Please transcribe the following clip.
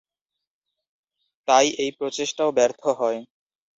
তাই এই প্রচেষ্টাও ব্যর্থ হয়।